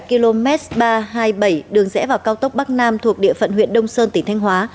km ba trăm hai mươi bảy đường rẽ vào cao tốc bắc nam thuộc địa phận huyện đông sơn tỉnh thanh hóa